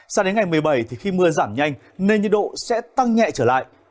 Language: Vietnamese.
sao đến ngày một mươi bảy thì khi mưa giảm nhanh nên nhiệt độ sẽ tăng nhẹ trở lại